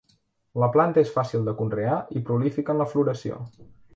La planta és fàcil de conrear i prolífica en la floració.